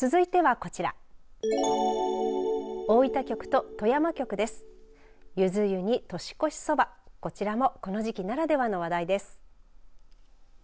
こちらもこの時期ならではの話題です。